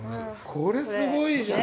これすごいじゃん。